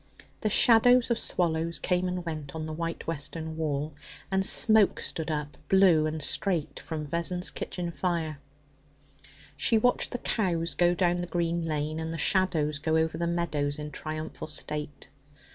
The shadows of swallows came and went on the white western wall, and smoke stood up blue and straight from Vessons' kitchen fire. She watched the cows go down the green lane, and the shadows go over the meadows in triumphal state.